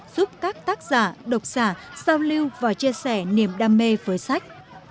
giúp các tác giả độc giả giao lưu và chia sẻ niềm đam mê với sách